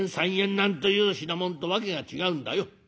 なんという品物とわけが違うんだよ。